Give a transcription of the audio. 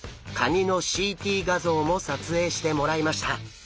カニのＣＴ画像も撮影してもらいました！